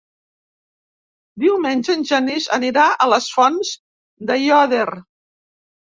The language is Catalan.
Diumenge en Genís anirà a les Fonts d'Aiòder.